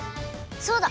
そうだ！